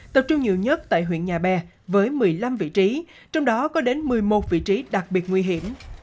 tập trung nhiều nhất tại huyện nhà bè với một mươi năm vị trí trong đó có đến một mươi một vị trí đặc biệt nguy hiểm